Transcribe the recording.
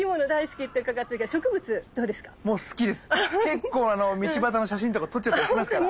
結構道端の写真とか撮っちゃったりしますから。